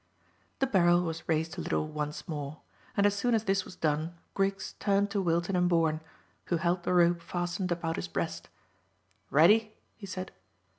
The barrel was raised a little once more, and as soon as this was done Griggs turned to Wilton and Bourne, who held the rope fastened about his breast. "Ready?" he said.